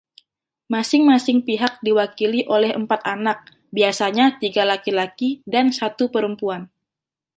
Masing-masing pihak diwakili oleh empat anak, biasanya tiga laki-laki dan satu perempuan.